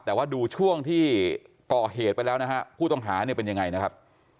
แต่ว่าดูช่วงที่ก่อเหตุไปแล้วนะฮะผู้ต้องหาเนี่ยเป็นยังไงนะครับ